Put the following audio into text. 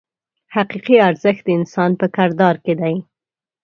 حقیقي ارزښت د انسان په کردار کې دی.